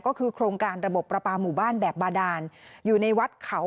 ก็คือโครงการระบบประปาหมู่บ้านแบบบาดานอยู่ในวัดเขา